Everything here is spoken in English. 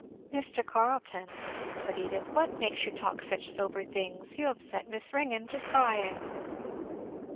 "Mr. Carleton," said Edith, "what makes you talk such sober things? you have set Miss Ringgan to crying."